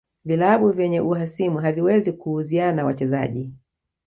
Vilabu vyenye uhasimu haviwezi kuuziana wachezaji